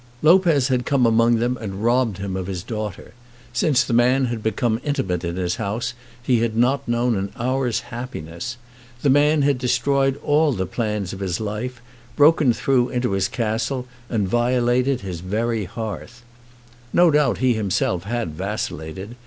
Lopez had come among them and robbed him of his daughter. Since the man had become intimate in his house he had not known an hour's happiness. The man had destroyed all the plans of his life, broken through into his castle, and violated his very hearth. No doubt he himself had vacillated.